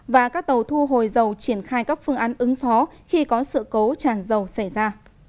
và các tàu thu hồi dầu triển khai các phương án ứng phó khi có sự cố tràn dầu xảy ra